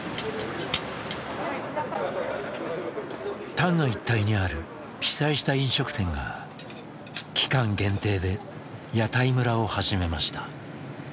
旦過一帯にある被災した飲食店が期間限定で屋台村を始めました。